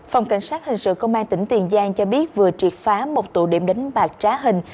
phòng cảnh sát hình sự công an tỉnh tiền giang cho biết vừa triệt phá một tụ điểm đánh bạc trá hình